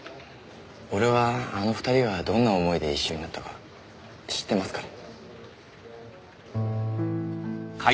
俺はあの２人がどんな思いで一緒になったか知ってますから。